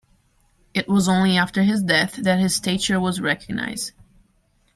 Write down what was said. It was only after his death that his stature was recognized.